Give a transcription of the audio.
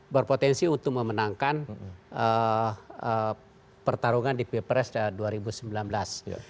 berpotensi untuk memenangkan pertarungan di pilpres dua ribu sembilan belas